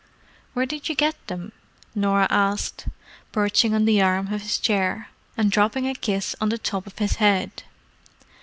"Where did you get them?" Norah asked, perching on the arm of his chair, and dropping a kiss on the top of his head.